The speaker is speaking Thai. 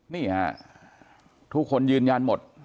นี่ฮะทุกคนยืนยันหมด